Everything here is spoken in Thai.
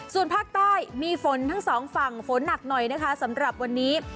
ส่วนภาคใต้มีฝนทั้งสองฝั่งฝนหนักหน่อยนะคะสำหรับวันนี้